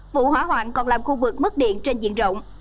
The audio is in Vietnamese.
vụ hỏa hoạn còn làm khu vực mất điện trên diện rộng